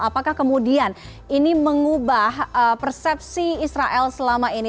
apakah kemudian ini mengubah persepsi israel selama ini